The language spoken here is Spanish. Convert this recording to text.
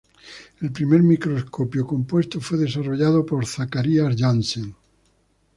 El primer microscopio compuesto fue desarrollado por Zacharias Janssen.